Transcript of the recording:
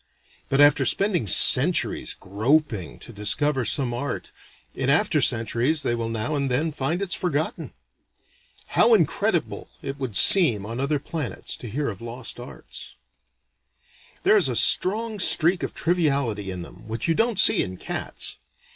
But after spending centuries groping to discover some art, in after centuries they will now and then find it's forgotten. How incredible it would seem on other planets to hear of lost arts. "There is a strong streak of triviality in them, which you don't see in cats.